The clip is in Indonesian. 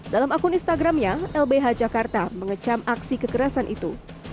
dalam akun instagramnya lbh jakarta mengecam aksi kekerasan itu